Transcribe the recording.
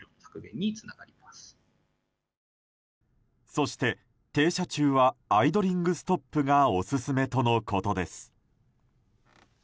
そして停車中はアイドリングストップがオススメとのことです。